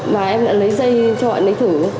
và em đã lấy dây cho bạn ấy thử